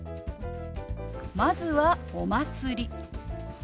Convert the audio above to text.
まずは「お祭り」。